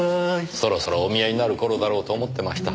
そろそろお見えになる頃だろうと思ってました。